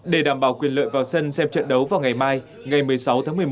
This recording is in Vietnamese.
để đảm bảo quyền lợi vào sân xem trận đấu vào ngày mai ngày một mươi sáu tháng một mươi một